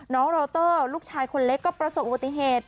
น้องโรเตอร์ลูกชายคนเล็กก็ประสบอุบัติเหตุ